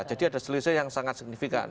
jadi ada selisih yang sangat signifikan